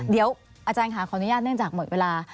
เดี๋ยวอาจารย์ค่ะขออนุญาตเนื่องจากหมดเวลา